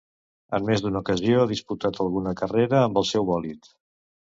En més d'una ocasió ha disputat alguna carrera amb el seu bòlid.